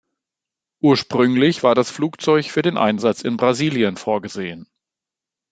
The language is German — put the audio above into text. Ursprünglich war das Flugzeug für den Einsatz in Brasilien vorgesehen.